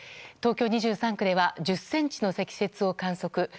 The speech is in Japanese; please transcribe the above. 東京２３区では１０ｃｍの積雪を観測。